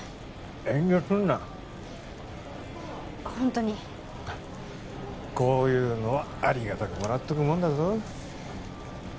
遠慮すんなホントにこういうのはありがたくもらっとくもんだぞ